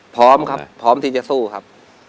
พร้อมครับพร้อมที่จะสู้ครับ